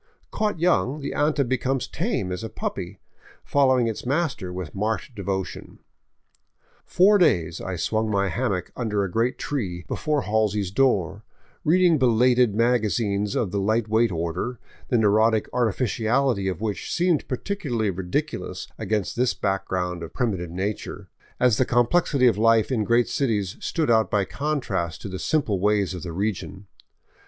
Caught young, the anta becomes as tame as a puppy, following its master with marked devotion. Four days I swung my hammock under a great tree before Halsey's door, reading belated magazines of the light weight order, the neurotic artificiality of which seemed particularly ridiculous against this back ground of primitive nature, as the complexity of life in great cities stood out by contrast to the simple ways of the region.